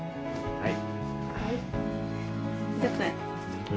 はい。